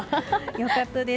よかったです。